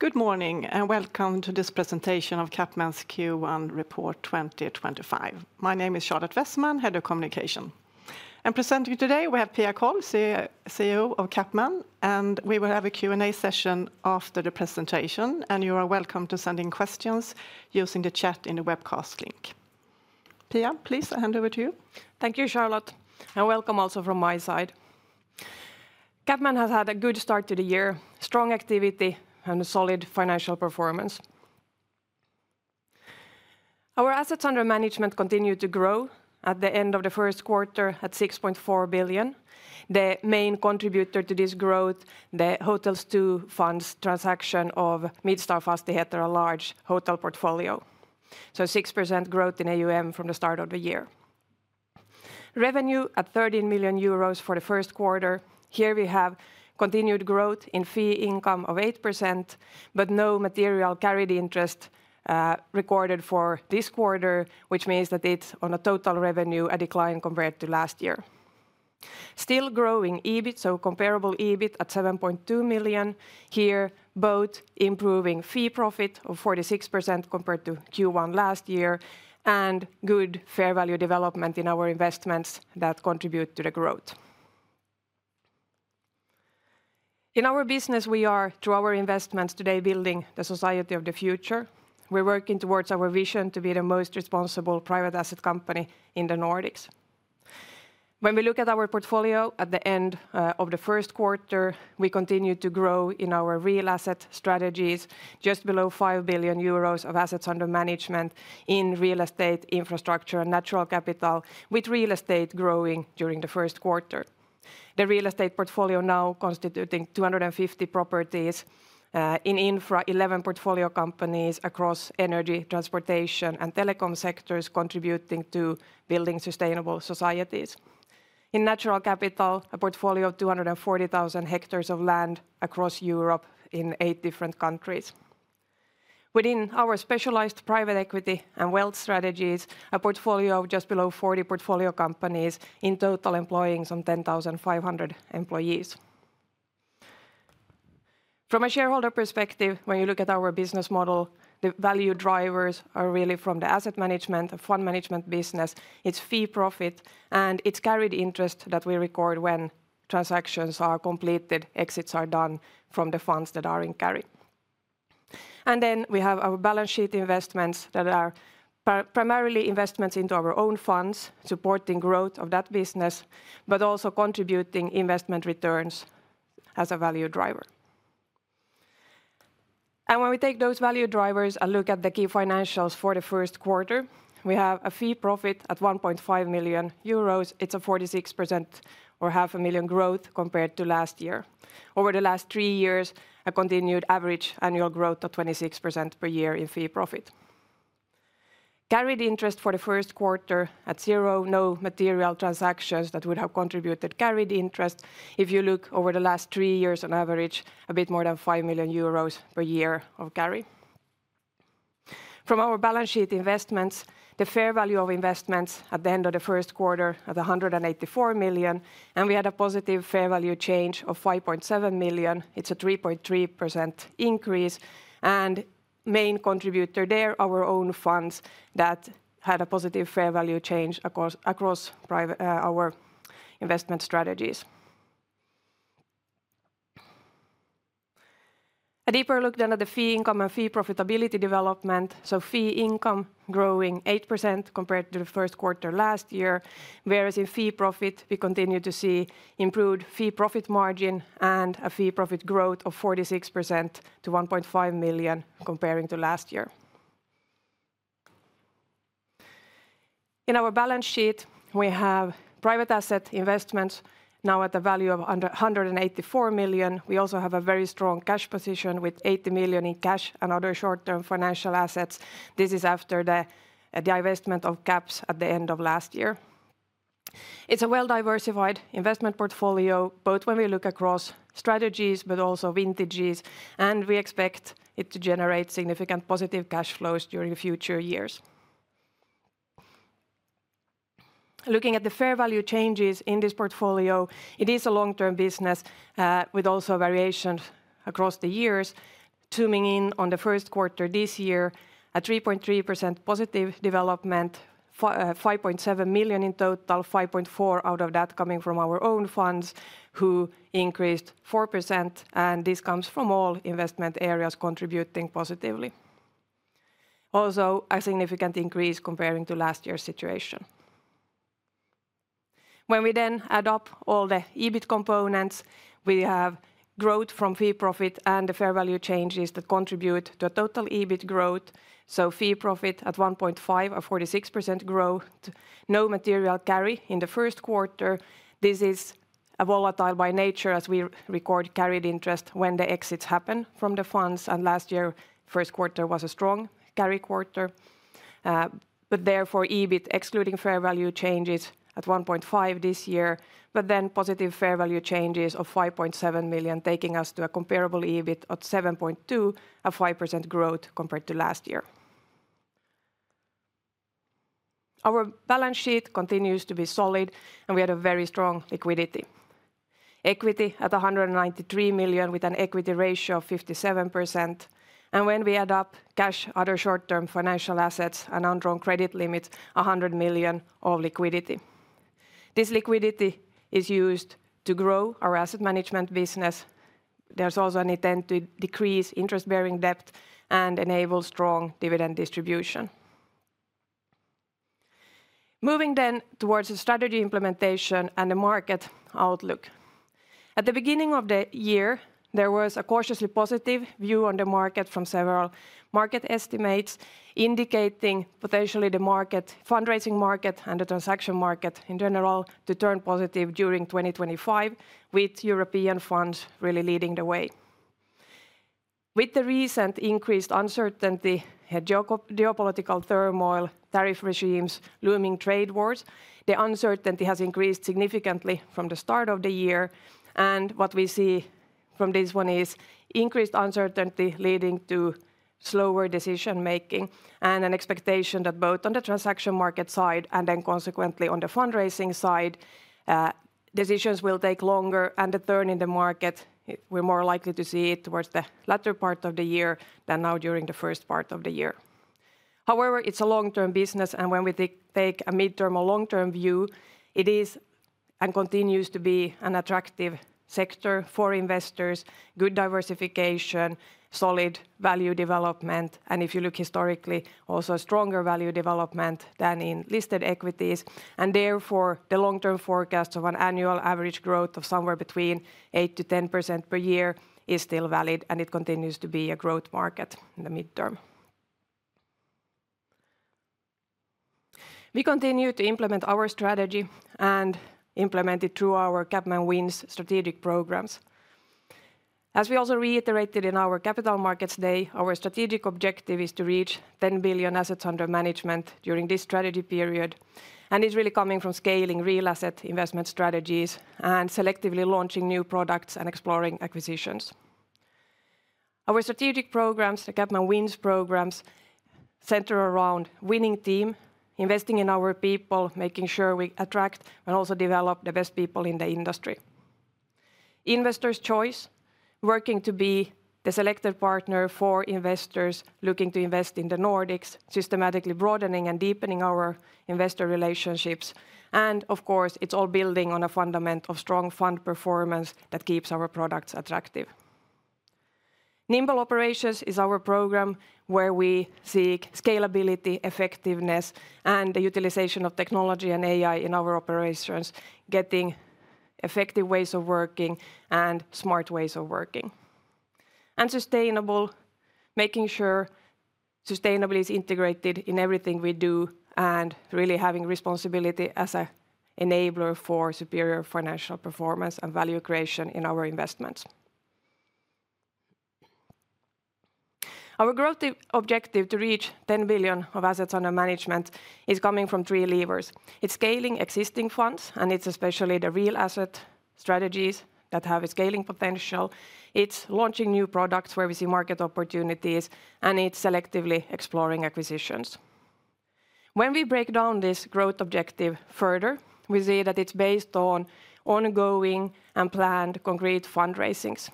Good morning and welcome to this presentation of CapMan's Q1 Report 2025. My name is Charlotte Wessman, Head of Communication. Presenting today, we have Pia Kåll, CEO of CapMan. We will have a Q&A session after the presentation, and you are welcome to send in questions using the chat in the webcast link. Pia, please, hand over to you. Thank you, Charlotte. Welcome also from my side. CapMan has had a good start to the year, strong activity, and a solid financial performance. Our assets under management continued to grow at the end of the first quarter at 6.4 billion. The main contributor to this growth, the Hotels II fund's transaction of Midstar Fastigheter and large hotel portfolio. 6% growth in AUM from the start of the year. Revenue at 13 million euros for the first quarter. Here we have continued growth in fee income of 8%, but no material carried interest recorded for this quarter, which means that on total revenue a decline compared to last year. Still growing EBIT, so comparable EBIT at 7.2 million. Here, both improving fee profit of 46% compared to Q1 last year and good fair value development in our investments that contribute to the growth. In our business, we are, through our investments today, building the society of the future. We're working towards our vision to be the most responsible private asset company in the Nordics. When we look at our portfolio at the end of the first quarter, we continue to grow in our real asset strategies, just below 5 billion euros of assets under management in real estate, infrastructure, and natural capital, with real estate growing during the first quarter. The real estate portfolio now constituting 250 properties in Infra 11 portfolio companies across energy, transportation, and telecom sectors contributing to building sustainable societies. In natural capital, a portfolio of 240,000 hectares of land across Europe in eight different countries. Within our specialized private equity and wealth strategies, a portfolio of just below 40 portfolio companies in total employing some 10,500 employees. From a shareholder perspective, when you look at our business model, the value drivers are really from the asset management, the fund management business, its fee profit, and its carried interest that we record when transactions are completed, exits are done from the funds that are in carry. Then we have our balance sheet investments that are primarily investments into our own funds, supporting growth of that business, but also contributing investment returns as a value driver. When we take those value drivers and look at the key financials for the first quarter, we have a fee profit at 1.5 million euros. It is a 46% or 500,000 growth compared to last year. Over the last three years, a continued average annual growth of 26% per year in fee profit. Carried interest for the first quarter at zero, no material transactions that would have contributed carried interest. If you look over the last three years on average, a bit more than 5 million euros per year of carry. From our balance sheet investments, the fair value of investments at the end of the first quarter at 184 million, and we had a positive fair value change of 5.7 million. It is a 3.3% increase. The main contributor there, our own funds that had a positive fair value change across our investment strategies. A deeper look then at the fee income and fee profitability development. Fee income growing 8% compared to the first quarter last year, whereas in fee profit we continue to see improved fee profit margin and a fee profit growth of 46% to 1.5 million comparing to last year. In our balance sheet, we have private asset investments now at a value of 184 million. We also have a very strong cash position with 80 million in cash and other short-term financial assets. This is after the divestment of CaPS at the end of last year. It's a well-diversified investment portfolio, both when we look across strategies, but also vintages, and we expect it to generate significant positive cash flows during future years. Looking at the fair value changes in this portfolio, it is a long-term business with also variations across the years, zooming in on the first quarter this year at 3.3% positive development, 5.7 million in total, 5.4 million out of that coming from our own funds who increased 4%, and this comes from all investment areas contributing positively. Also, a significant increase comparing to last year's situation. When we then add up all the EBIT components, we have growth from fee profit and the fair value changes that contribute to a total EBIT growth. So fee profit at 1.5 million, a 46% growth, no material carry in the first quarter. This is volatile by nature as we record carried interest when the exits happen from the funds, and last year's first quarter was a strong carry quarter. Therefore, EBIT excluding fair value changes at 1.5 million this year, but then positive fair value changes of 5.7 million taking us to a comparable EBIT at 7.2 million, a 5% growth compared to last year. Our balance sheet continues to be solid, and we had a very strong liquidity. Equity at 193 million with an equity ratio of 57%. When we add up cash, other short-term financial assets, and unwritten credit limits, 100 million of liquidity. This liquidity is used to grow our asset management business. There is also an intent to decrease interest-bearing debt and enable strong dividend distribution. Moving then towards the strategy implementation and the market outlook. At the beginning of the year, there was a cautiously positive view on the market from several market estimates indicating potentially the fundraising market and the transaction market in general to turn positive during 2025, with European funds really leading the way. With the recent increased uncertainty and geopolitical turmoil, tariff regimes, looming trade wars, the uncertainty has increased significantly from the start of the year. What we see from this one is increased uncertainty leading to slower decision-making and an expectation that both on the transaction market side and then consequently on the fundraising side, decisions will take longer and deter in the market. We're more likely to see it towards the latter part of the year than now during the first part of the year. However, it's a long-term business, and when we take a midterm or long-term view, it is and continues to be an attractive sector for investors, good diversification, solid value development, and if you look historically, also a stronger value development than in listed equities. Therefore, the long-term forecast of an annual average growth of somewhere between 8%-10% per year is still valid, and it continues to be a growth market in the midterm. We continue to implement our strategy and implement it through our CapMan WINS strategic programs. As we also reiterated in our Capital Markets Day, our strategic objective is to reach 10 billion assets under management during this strategy period, and it is really coming from scaling real asset investment strategies and selectively launching new products and exploring acquisitions. Our strategic programs, the CapMan WINS programs, center around winning teams, investing in our people, making sure we attract and also develop the best people in the industry. Investors' choice, working to be the selected partner for investors looking to invest in the Nordics, systematically broadening and deepening our investor relationships. Of course, it is all building on a fundament of strong fund performance that keeps our products attractive. Nimble Operations is our program where we seek scalability, effectiveness, and the utilization of technology and AI in our operations, getting effective ways of working and smart ways of working. Sustainable, making sure sustainability is integrated in everything we do and really having responsibility as an enabler for superior financial performance and value creation in our investments. Our growth objective to reach 10 billion of assets under management is coming from three levers. It's scaling existing funds, and it's especially the real asset strategies that have a scaling potential. It's launching new products where we see market opportunities, and it's selectively exploring acquisitions. When we break down this growth objective further, we see that it's based on ongoing and planned concrete fundraisings.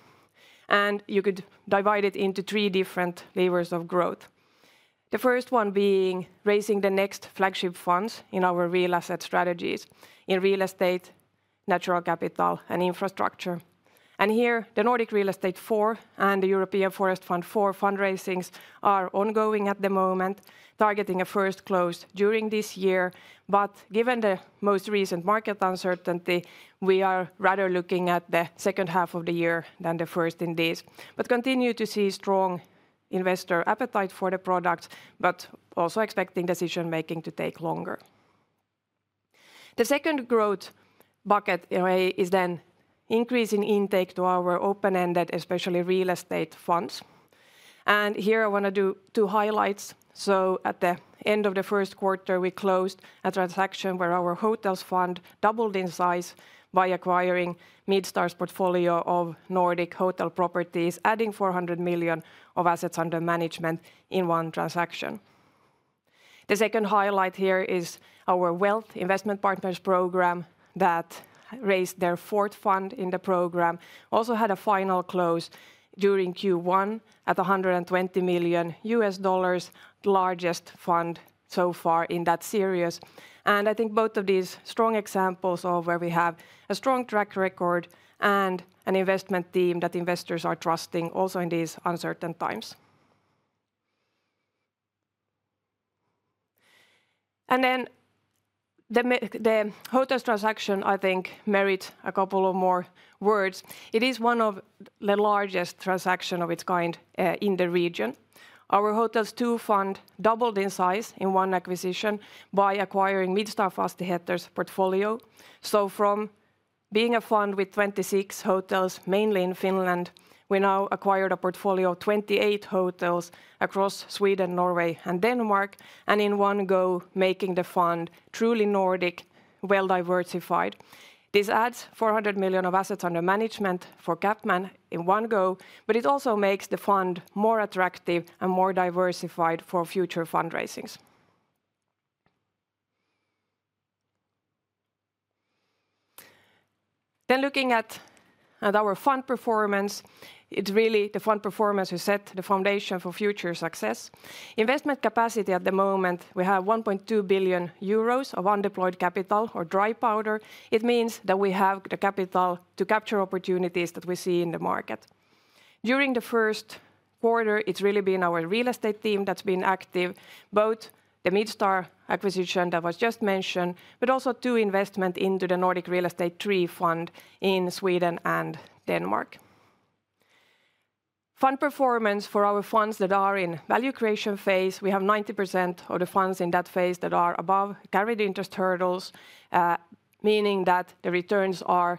You could divide it into three different levers of growth. The first one being raising the next flagship funds in our real asset strategies in real estate, natural capital, and infrastructure. Here, the Nordic Real Estate IV and the European Forest Fund IV fundraisings are ongoing at the moment, targeting a first close during this year. Given the most recent market uncertainty, we are rather looking at the second half of the year than the first in these. We continue to see strong investor appetite for the products, but also expecting decision-making to take longer. The second growth bucket is increasing intake to our open-ended, especially real estate funds. Here I want to do two highlights. At the end of the first quarter, we closed a transaction where our hotels fund doubled in size by acquiring Midstar Fastigheter's portfolio of Nordic hotel properties, adding 400 million of assets under management in one transaction. The second highlight here is our Wealth Investment Partners program that raised their fourth fund in the program. Also had a final close during Q1 at $120 million, the largest fund so far in that series. I think both of these strong examples of where we have a strong track record and an investment team that investors are trusting also in these uncertain times. The hotels transaction, I think, merits a couple of more words. It is one of the largest transactions of its kind in the region. Our Hotels II fund doubled in size in one acquisition by acquiring Midstar Fastigheter's portfolio. From being a fund with 26 hotels, mainly in Finland, we now acquired a portfolio of 28 hotels across Sweden, Norway, and Denmark, and in one go making the fund truly Nordic, well-diversified. This adds 400 million of assets under management for CapMan in one go, but it also makes the fund more attractive and more diversified for future fundraisings. Looking at our fund performance, it's really the fund performance that sets the foundation for future success. Investment capacity at the moment, we have 1.2 billion euros of undeployed capital or dry powder. It means that we have the capital to capture opportunities that we see in the market. During the first quarter, it's really been our real estate team that's been active, both the Midstar acquisition that was just mentioned, but also two investments into the Nordic Real Estate III fund in Sweden and Denmark. Fund performance for our funds that are in value creation phase, we have 90% of the funds in that phase that are above carried interest hurdles, meaning that the returns are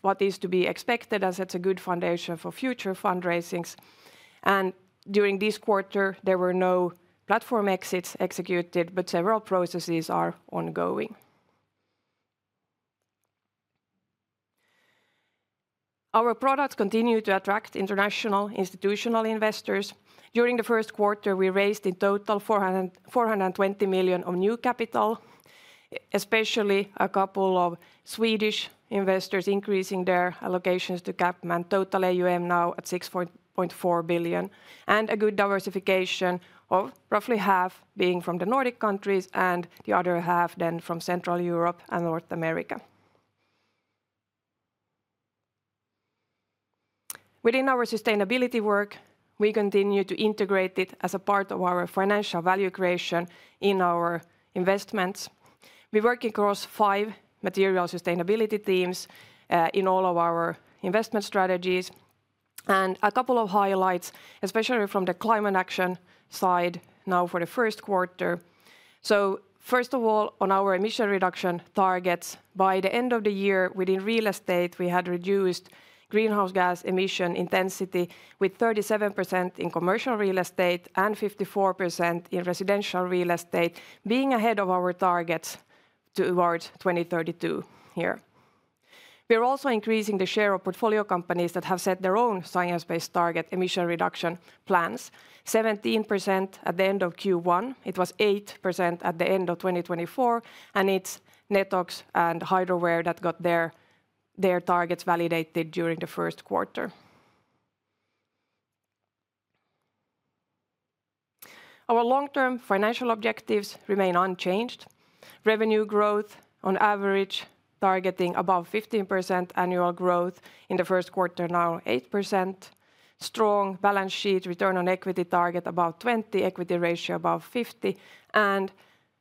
what is to be expected as it's a good foundation for future fundraisings. During this quarter, there were no platform exits executed, but several processes are ongoing. Our products continue to attract international institutional investors. During the first quarter, we raised in total 420 million of new capital, especially a couple of Swedish investors increasing their allocations to CapMan. Total AUM now at 6.4 billion and a good diversification of roughly half being from the Nordic countries and the other half then from Central Europe and North America. Within our sustainability work, we continue to integrate it as a part of our financial value creation in our investments. We work across five material sustainability themes in all of our investment strategies. A couple of highlights, especially from the climate action side now for the first quarter. First of all, on our emission reduction targets, by the end of the year within real estate, we had reduced greenhouse gas emission intensity by 37% in commercial real estate and 54% in residential real estate, being ahead of our targets towards 2032 here. We are also increasing the share of portfolio companies that have set their own science-based target emission reduction plans, 17% at the end of Q1. It was 8% at the end of 2024, and it is Netox and Hydroware that got their targets validated during the first quarter. Our long-term financial objectives remain unchanged. Revenue growth on average targeting above 15% annual growth. In the first quarter, now 8%. Strong balance sheet, return on equity target above 20%, equity ratio above 50%, and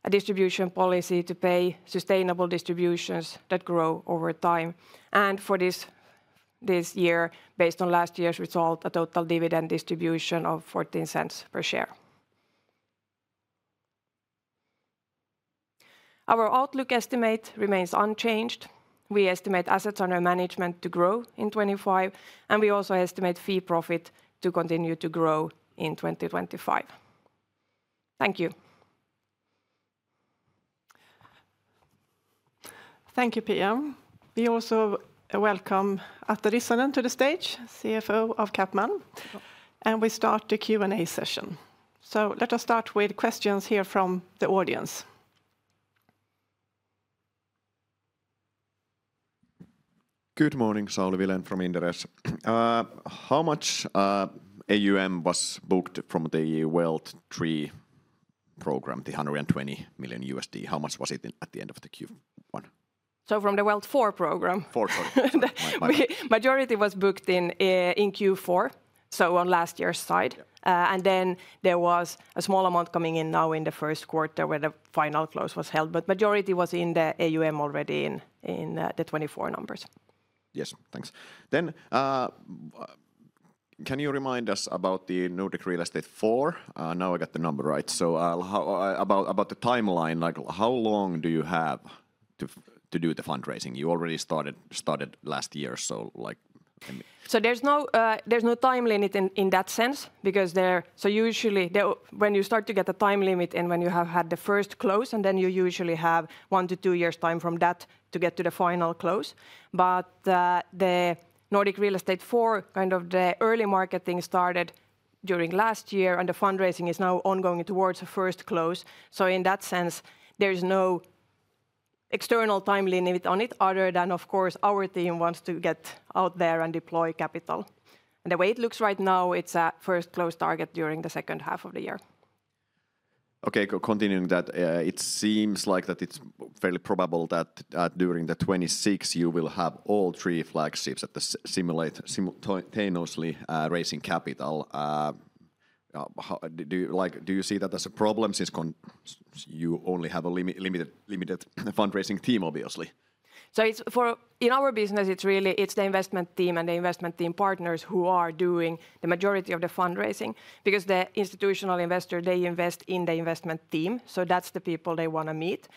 a distribution policy to pay sustainable distributions that grow over time. For this year, based on last year's result, a total dividend distribution of 0.14 per share. Our outlook estimate remains unchanged. We estimate assets under management to grow in 2025, and we also estimate fee profit to continue to grow in 2025. Thank you. Thank you, Pia. We also welcome Atte Rissanen to the stage, CFO of CapMan, and we start the Q&A session. Let us start with questions here from the audience. Good morning, Sauli Vilen from Inderes. How much AUM was booked from the Wealth III program, the $120 million? How much was it at the end of the Q1? From the Wealth IV program? Four, sorry. Majority was booked in Q4, on last year's side. And then there was a small amount coming in now in the first quarter where the final close was held, but majority was in the AUM already in the 2024 numbers. Yes, thanks. Then can you remind us about the Nordic Real Estate IV? Now I got the number right. About the timeline, like how long do you have to do the fundraising? You already started last year, like. There is no time limit in that sense because usually when you start to get a time limit is when you have had the first close, and then you usually have one to two years' time from that to get to the final close. The Nordic Real Estate IV, kind of the early marketing started during last year, and the fundraising is now ongoing towards the first close. In that sense, there's no external time limit on it other than, of course, our team wants to get out there and deploy capital. The way it looks right now, it's a first close target during the second half of the year. Okay, continuing that, it seems like it's fairly probable that during 2026, you will have all three flagships simultaneously raising capital. Do you see that as a problem since you only have a limited fundraising team, obviously? In our business, it's really the investment team and the investment team partners who are doing the majority of the fundraising because the institutional investor, they invest in the investment team, so that's the people they want to meet.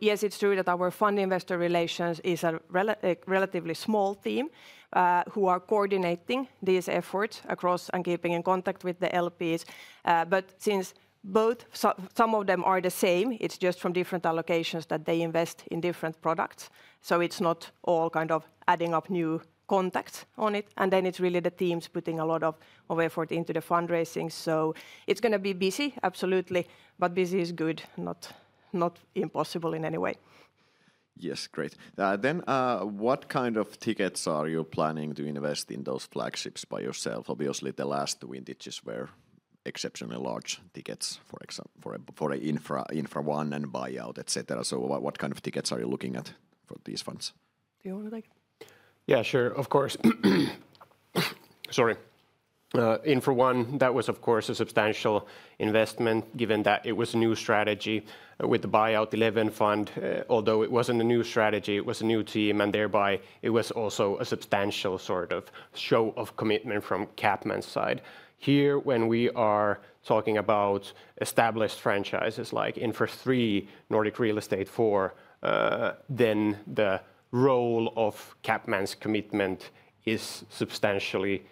Yes, it's true that our fund investor relations is a relatively small team who are coordinating these efforts across and keeping in contact with the LPs. Since both some of them are the same, it's just from different allocations that they invest in different products. It's not all kind of adding up new contacts on it. It's really the teams putting a lot of effort into the fundraising. It's going to be busy, absolutely. Busy is good, not impossible in any way. Yes, great. What kind of tickets are you planning to invest in those flagships by yourself? Obviously, the last two vintages were exceptionally large tickets, for example, for Infra I and Buyout, etc. What kind of tickets are you looking at for these funds? Do you want to take it? Yeah, sure, of course. Sorry. InfraOne, that was, of course, a substantial investment given that it was a new strategy with the Buyout 11 fund. Although it was not a new strategy, it was a new team, and thereby it was also a substantial sort of show of commitment from CapMan's side. Here, when we are talking about established franchises like Infra III, Nordic Real Estate IV, the role of CapMan's commitment is substantially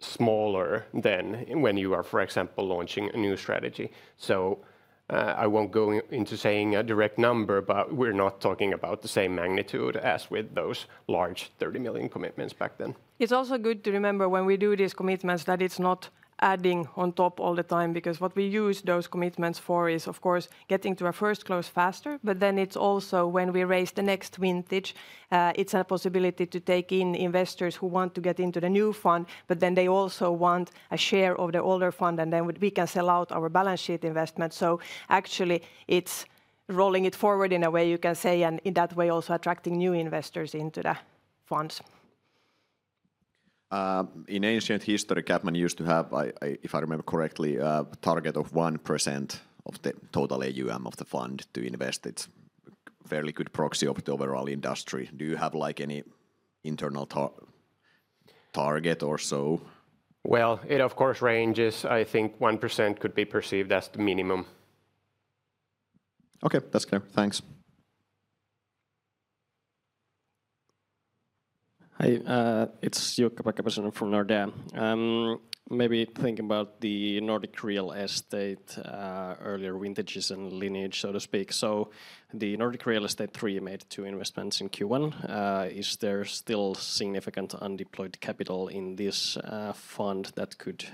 smaller than when you are, for example, launching a new strategy. I will not go into saying a direct number, but we are not talking about the same magnitude as with those large 30 million commitments back then. It's also good to remember when we do these commitments that it's not adding on top all the time because what we use those commitments for is, of course, getting to a first close faster, but then it's also when we raise the next vintage, it's a possibility to take in investors who want to get into the new fund, but then they also want a share of the older fund, and then we can sell out our balance sheet investment. Actually, it's rolling it forward in a way, you can say, and in that way also attracting new investors into the funds. In ancient history, CapMan used to have, if I remember correctly, a target of 1% of the total AUM of the fund to invest. It's a fairly good proxy of the overall industry. Do you have like any internal target or so? It of course ranges. I think 1% could be perceived as the minimum. Okay, that's clear. Thanks. Hi, it's Jukka Frimola from Nordea. Maybe thinking about the Nordic real estate earlier vintages and lineage, so to speak. The Nordic Real Estate III made two investments in Q1. Is there still significant undeployed capital in this fund that could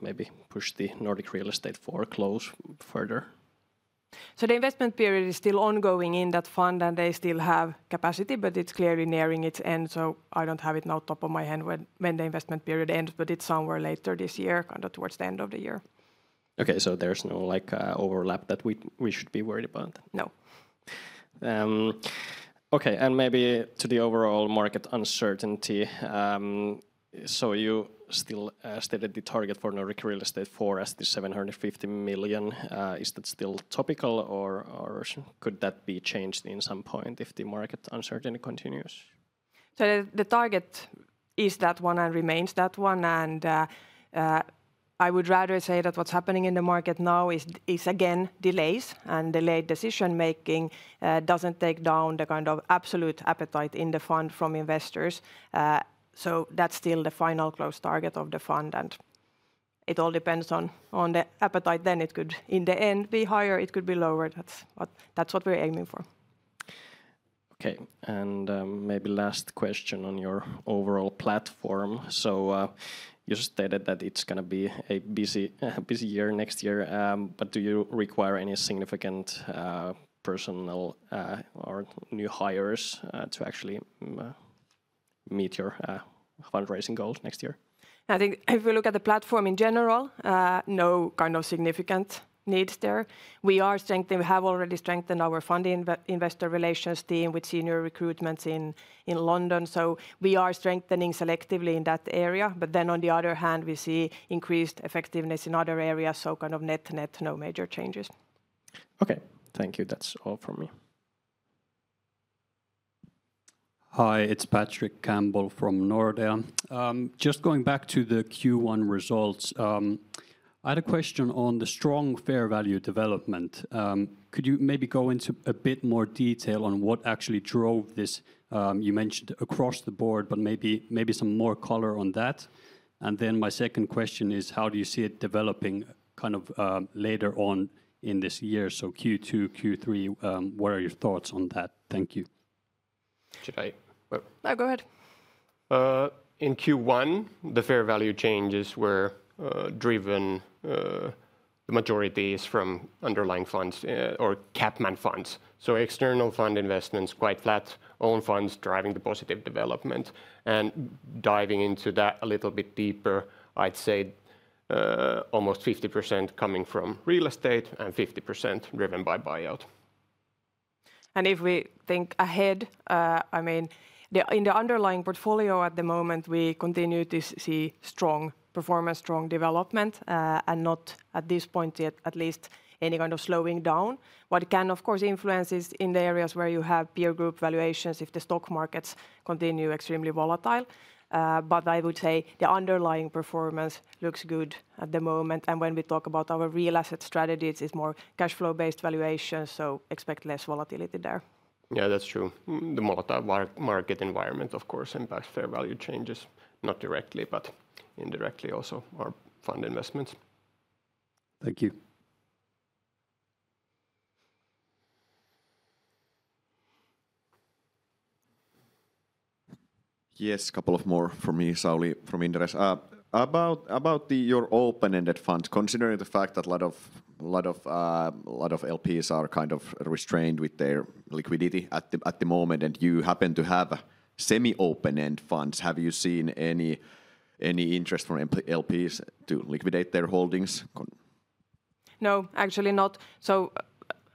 maybe push the Nordic Real Estate IV close further? The investment period is still ongoing in that fund, and they still have capacity, but it's clearly nearing its end. I don't have it now top of my head when the investment period ends, but it's somewhere later this year, kind of towards the end of the year. Okay, so there's no like overlap that we should be worried about? No. Okay, and maybe to the overall market uncertainty. You still stated the target for Nordic Real Estate IV as the 750 million. Is that still topical, or could that be changed at some point if the market uncertainty continues? The target is that one and remains that one. I would rather say that what's happening in the market now is again delays, and delayed decision-making doesn't take down the kind of absolute appetite in the fund from investors. That's still the final close target of the fund, and it all depends on the appetite. It could in the end be higher, it could be lower. That's what we're aiming for. Okay, and maybe last question on your overall platform. You stated that it's going to be a busy year next year, but do you require any significant personnel or new hires to actually meet your fundraising goals next year? I think if we look at the platform in general, no kind of significant needs there. We are strengthening, we have already strengthened our funding investor relations team with senior recruitments in London. We are strengthening selectively in that area, but then on the other hand, we see increased effectiveness in other areas, so kind of net net, no major changes. Okay, thank you. That's all from me. Hi, it's Patrick Campbell from Nordea. Just going back to the Q1 results, I had a question on the strong fair value development. Could you maybe go into a bit more detail on what actually drove this? You mentioned across the board, but maybe some more color on that. My second question is, how do you see it developing kind of later on in this year? Q2, Q3, what are your thoughts on that? Thank you. Should I? No, go ahead. In Q1, the fair value changes were driven, the majority is from underlying funds or CapMan funds. External fund investments, quite flat, own funds driving the positive development. Diving into that a little bit deeper, I'd say almost 50% coming from real estate and 50% driven by buyout. If we think ahead, I mean, in the underlying portfolio at the moment, we continue to see strong performance, strong development, and not at this point yet, at least, any kind of slowing down. What can, of course, influence is in the areas where you have peer group valuations if the stock markets continue extremely volatile. I would say the underlying performance looks good at the moment. When we talk about our real asset strategies, it's more cash flow-based valuations, so expect less volatility there. Yeah, that's true. The market environment, of course, impacts fair value changes, not directly, but indirectly also our fund investments. Thank you. Yes, a couple of more from me, Sauli from Inderes. About your open-ended fund, considering the fact that a lot of LPs are kind of restrained with their liquidity at the moment and you happen to have semi-open-end funds, have you seen any interest from LPs to liquidate their holdings? No, actually not.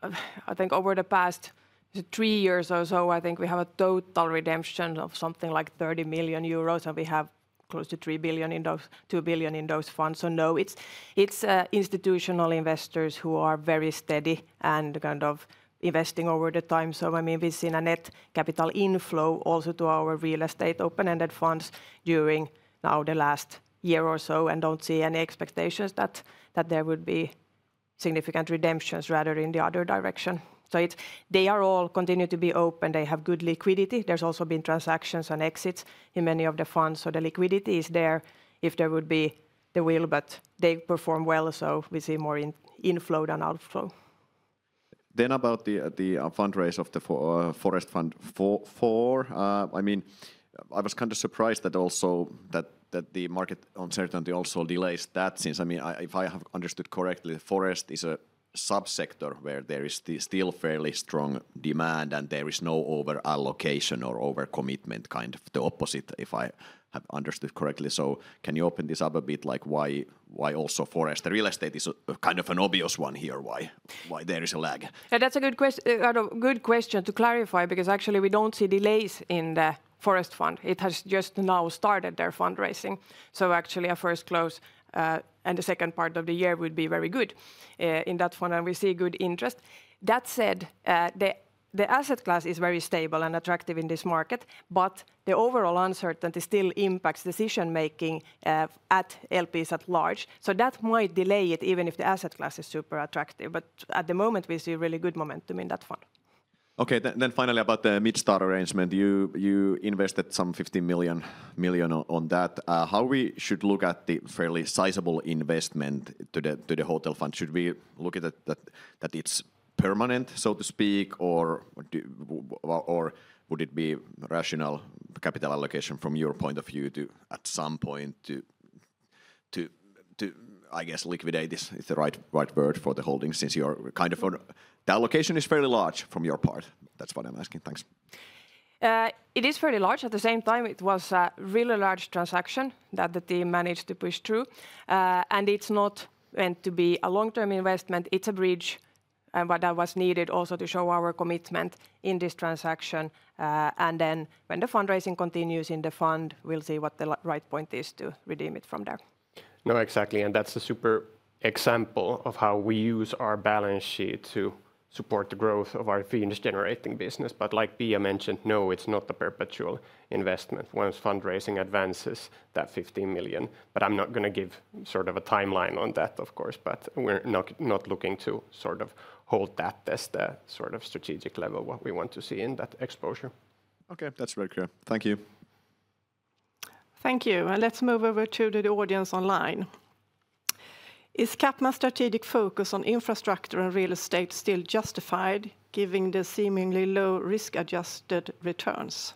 I think over the past three years or so, we have a total redemption of something like 30 million euros, and we have close to 2 billion in those funds. No, it's institutional investors who are very steady and kind of investing over the time. I mean, we've seen a net capital inflow also to our real estate open-ended funds during now the last year or so and do not see any expectations that there would be significant redemptions, rather in the other direction. They are all continuing to be open. They have good liquidity. There have also been transactions and exits in many of the funds. The liquidity is there if there would be the will, but they perform well, so we see more inflow than outflow. About the fundraise of the Forest Fund 4, I mean, I was kind of surprised that also that the market uncertainty also delays that since, I mean, if I have understood correctly, Forest is a subsector where there is still fairly strong demand and there is no over-allocation or over-commitment, kind of the opposite, if I have understood correctly. Can you open this up a bit, like why also Forest? The real estate is kind of an obvious one here. Why there is a lag? Yeah, that's a good question to clarify because actually we don't see delays in the Forest Fund. It has just now started their fundraising. Actually, a first close in the second part of the year would be very good in that fund and we see good interest. That said, the asset class is very stable and attractive in this market, but the overall uncertainty still impacts decision-making at LPs at large. That might delay it even if the asset class is super attractive. At the moment, we see really good momentum in that fund. Okay, then finally about the Midstar arrangement. You invested some 15 million on that. How we should look at the fairly sizable investment to the hotel fund? Should we look at it that it's permanent, so to speak, or would it be rational capital allocation from your point of view to at some point to, I guess, liquidate is the right word for the holdings since you're kind of on the allocation is fairly large from your part. That's what I'm asking. Thanks. It is fairly large. At the same time, it was a really large transaction that the team managed to push through. It is not meant to be a long-term investment. It is a bridge and what was needed also to show our commitment in this transaction. When the fundraising continues in the fund, we'll see what the right point is to redeem it from there. No, exactly. That's a super example of how we use our balance sheet to support the growth of our Finnish generating business. Like Pia mentioned, no, it's not a perpetual investment. Once fundraising advances that 15 million. I'm not going to give sort of a timeline on that, of course, but we're not looking to sort of hold that as the sort of strategic level what we want to see in that exposure. Okay, that's very clear. Thank you. Thank you. Let's move over to the audience online. Is CapMan's strategic focus on infrastructure and real estate still justified, given the seemingly low risk-adjusted returns?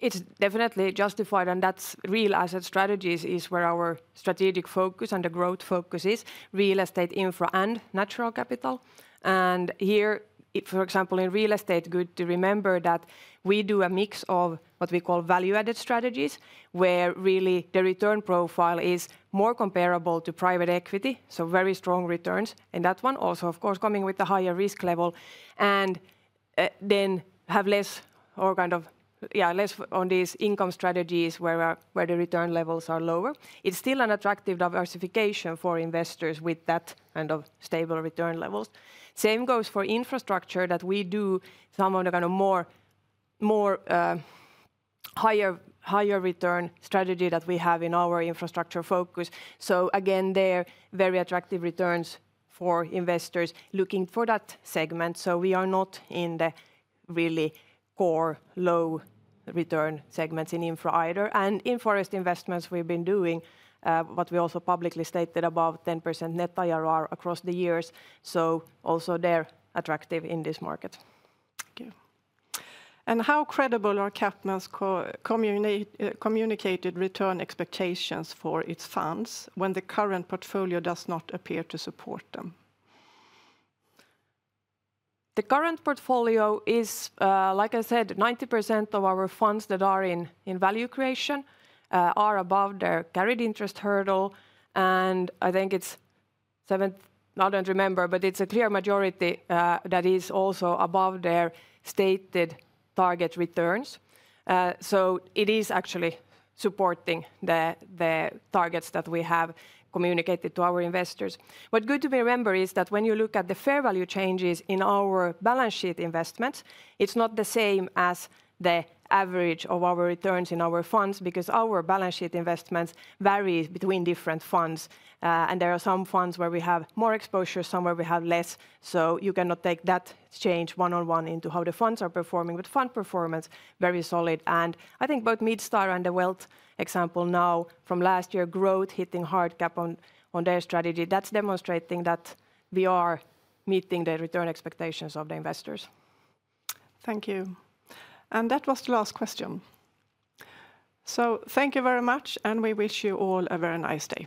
It's definitely justified, and that's real asset strategies is where our strategic focus and the growth focus is, real estate, infra, and natural capital. Here, for example, in real estate, good to remember that we do a mix of what we call value-added strategies, where really the return profile is more comparable to private equity. Very strong returns in that one also, of course, coming with the higher risk level, and then have less or kind of, yeah, less on these income strategies where the return levels are lower. It is still an attractive diversification for investors with that kind of stable return levels. Same goes for infrastructure that we do some of the kind of more higher return strategy that we have in our infrastructure focus. Again, there are very attractive returns for investors looking for that segment. We are not in the really core low return segments in infra either. In forest investments, we have been doing what we also publicly stated, about 10% net IRR across the years. They are also attractive in this market. Thank you. How credible are CapMan's communicated return expectations for its funds when the current portfolio does not appear to support them? The current portfolio is, like I said, 90% of our funds that are in value creation are above their carried interest hurdle. I think it's 70, I don't remember, but it's a clear majority that is also above their stated target returns. It is actually supporting the targets that we have communicated to our investors. What's good to remember is that when you look at the fair value changes in our balance sheet investments, it's not the same as the average of our returns in our funds because our balance sheet investments vary between different funds. There are some funds where we have more exposure, some where we have less. You cannot take that change one-on-one into how the funds are performing, but fund performance is very solid. I think both Midstar Fastigheter and the Wealth example now from last year, growth hitting hard cap on their strategy, that is demonstrating that we are meeting the return expectations of the investors. Thank you. That was the last question. Thank you very much, and we wish you all a very nice day.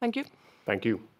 Thank you. Thank you.